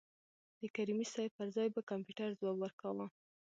د کریمي صیب پر ځای به کمپیوټر ځواب ورکاوه.